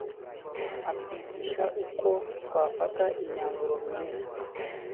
atwigisha uko twafata imyanzuro myiza